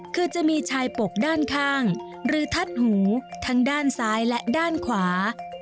คือจะมีชายปกด้านข้างหรือทัดหูทั้งด้านซ้ายและด้านขวา